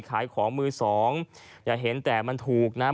ขายของมือสองอย่าเห็นแต่มันถูกนะ